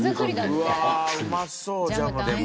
うわうまそうジャムでも。